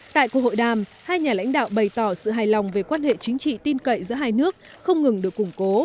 tại cuộc hội đàm hai nhà lãnh đạo bày tỏ sự hài lòng về quan hệ chính trị tin cậy giữa hai nước không ngừng được củng cố